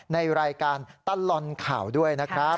ในรายการตลอดข่าวด้วยนะครับ